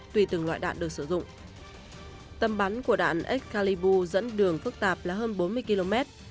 khi từng loại đạn được sử dụng tầm bắn của đạn excalibur dẫn đường phức tạp là hơn bốn mươi km